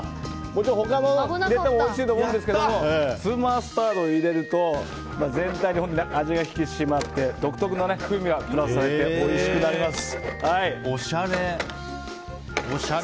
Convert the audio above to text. もちろん、他のものもおいしいと思うんですが粒マスタードを入れると全体の味が引き締まって独特の味が加わっておいしくなります。